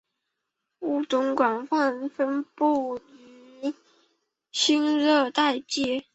物种广泛分布于新热带界。